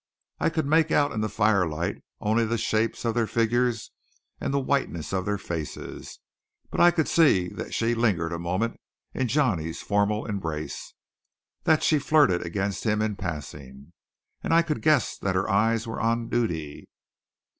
I could make out in the firelight only the shapes of their figures and the whiteness of their faces; but I could see that she lingered a moment in Johnny's formal embrace, that she flirted against him in passing, and I could guess that her eyes were on duty.